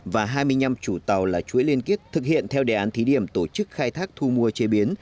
và hai mươi năm chủ tàu là chuỗi liên kết thực hiện theo đề án thí điểm tổ chức khai thác thu mua chế biến